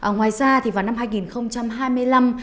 ngoài ra thì vào năm hai nghìn hai mươi năm